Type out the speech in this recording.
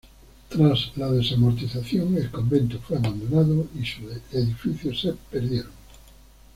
Tras la Desamortización, el convento fue abandonado y sus edificios se perdieron.